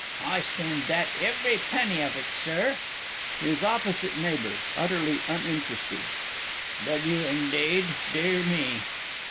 I spend that every penny of it, Sir. HIS OPP. N. (utterly uninterested). Do you indeed? dear me!